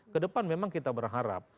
kedepan memang kita berharap